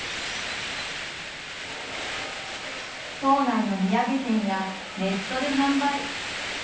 島内の土産店やネットで販売。